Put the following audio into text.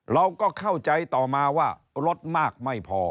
เราก็เข้าใจต่อมาว่ารถมากไม่พอ